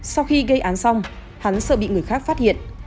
sau khi gây án xong hắn sợ bị người khác phát hiện